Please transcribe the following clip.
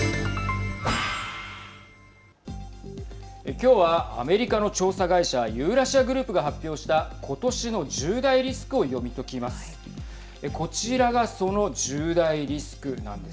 今日はアメリカの調査会社ユーラシア・グループが発表した今年の１０大リスクを読み解きます。